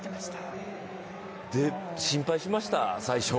心配しました、最初。